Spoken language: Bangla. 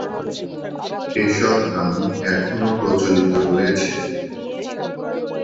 এসব নাম এখনও প্রচলিত রয়েছে।